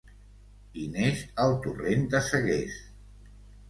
Hi neix el Torrent de Seguers.